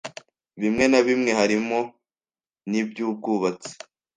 bimwe na bimwe harimo n’iby’ubwubatsi,